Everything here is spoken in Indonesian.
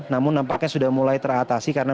namun nampaknya sudah mulai teratasi karena